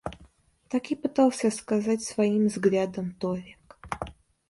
так и пытался сказать своим взглядом Толик.